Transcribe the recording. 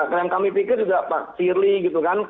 yang kami pikir juga pak sirly gitu kan